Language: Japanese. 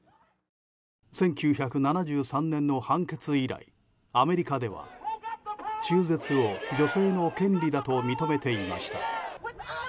１９７３年の判決以来アメリカでは中絶を女性の権利だと認めていました。